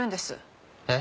えっ？